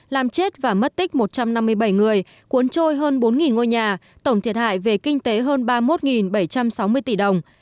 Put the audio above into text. làm chết và mất tích một trăm năm mươi bảy người cuốn trôi hơn bốn ngôi nhà tổng thiệt hại về kinh tế hơn ba mươi một bảy trăm sáu mươi tỷ đồng